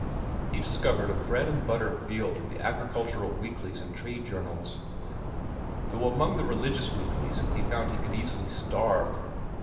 He discovered a bread and butter field in the agricultural weeklies and trade journals, though among the religious weeklies he found he could easily starve.